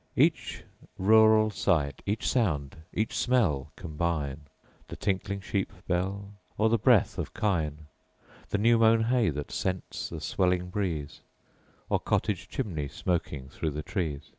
Each rural sight, each sound, each smell combine; The tinkling sheep bell, or the breath of kine; The new mown hay that scents the swelling breeze, Or cottage chimney smoking through the trees.